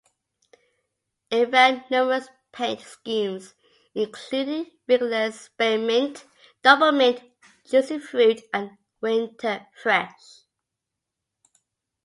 It ran numerous paint schemes including Wrigley's Spearmint, Doublemint, Juicy Fruit, and Winterfresh.